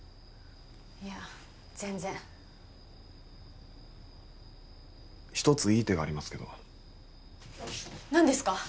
いや全然一ついい手がありますけど何ですか？